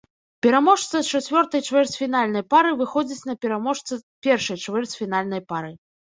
Пераможца чацвёртай чвэрцьфінальнай пары выходзіць на пераможца першай чвэрцьфінальнай пары.